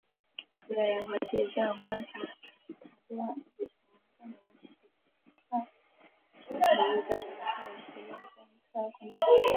苏联联合地震观测台网亦从当年起率先投入地下核试验监测工作。